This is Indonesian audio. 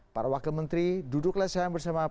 para wakil menteri duduklah selama bersama presiden